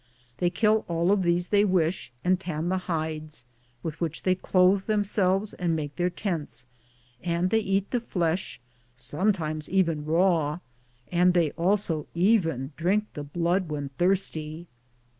They kill all of these they wish, and tan the hides, with which they clothe themselves and make their tents, and they eat the flesh, sometimes even raw, and they alsj even drink the blood when thirsty.